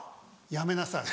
辞めなさい。